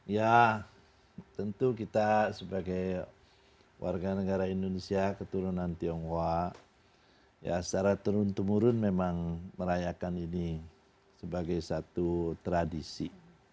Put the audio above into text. ya tentu kita sebagai warga negara indonesia keturunan tionghoa secara turun temurun memang merayakan ini sebagai satu tradisi